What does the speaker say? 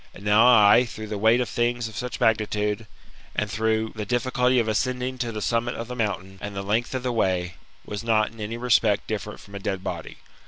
And now I, through the weight of things of such magnitude, and through the difficulty of ascending to the summit of the mountain, and the length of the way, was not in any respect different from a dead body.